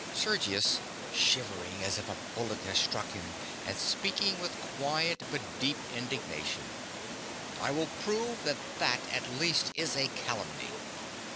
SERGIUS. (shivering as if a bullet had struck him, and speaking with quiet but deep indignation). I will prove that that, at least, is a calumny.